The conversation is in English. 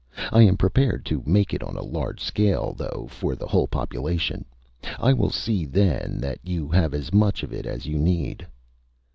I am prepared to make it on a large scale, though, for the whole population. I will see, then, that you have as much of it as you need."